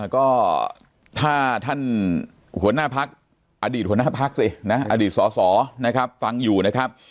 ก็ถ้าท่านผู้น้าพักษ์อดีตผู้น้าพักษ์สินะอดีตสอนะครับฟังอยู่นะครับ